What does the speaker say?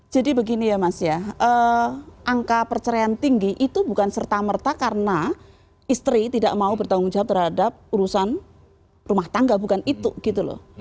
jadi begini ya mas ya angka perceraian tinggi itu bukan serta merta karena istri tidak mau bertanggung jawab terhadap urusan rumah tangga bukan itu gitu loh